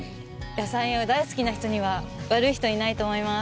野菜が大好きな人には悪い人はいないと思います。